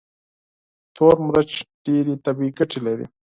تور مرچ ډېرې طبي ګټې لري.